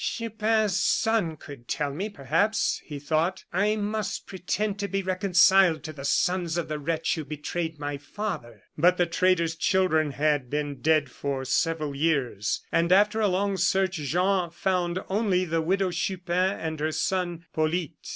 "Chupin's son could tell me, perhaps," he thought. "I must pretend to be reconciled to the sons of the wretch who betrayed my father." But the traitor's children had been dead for several years, and after a long search, Jean found only the Widow Chupin and her son, Polyte.